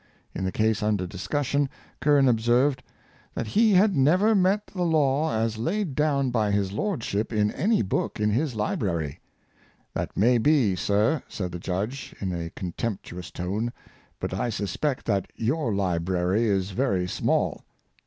In the case under dis cussion, Curran observed, " that he had never met the law ' as laid down by his lordship in any book in his library." " That may be, sir," said the judge, in a con temptuous tone, '' but I suspect that your library is very small."